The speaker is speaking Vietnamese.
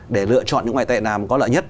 để lựa chọn những ngoại tệ nào có lợi nhất